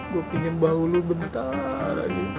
gue pingin bau lo bentar aja